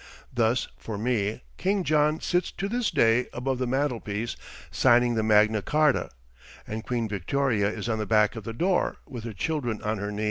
Thus for me King John sits to this day above the mantelpiece signing the Magna Charta, and Queen Victoria is on the back of the door with her children on her knee.